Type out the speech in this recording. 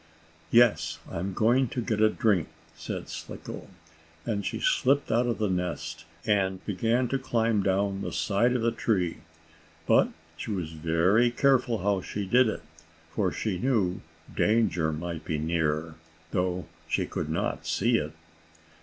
"Yes, I'm going to get a drink," said Slicko, and she slipped out of the nest, and began to climb down the side of the tree. But she was very careful how she did it, for she knew danger might be near, though she could not see it.